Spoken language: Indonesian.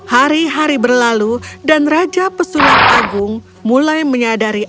hari hari berlalu dan raja pesulap agung mulai menyadari